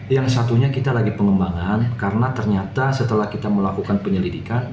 yang satunya kita lagi pengembangan karena ternyata setelah kita melakukan penyelidikan